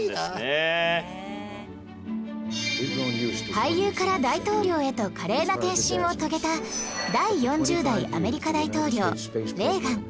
俳優から大統領へと華麗な転身を遂げた第４０代アメリカ大統領レーガン